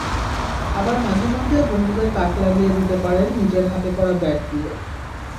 আবার মাঝেমধ্যে বন্ধুদের তাক লাগিয়ে দিতে পারেন নিজের হাতে করা ব্যাগ দিয়ে।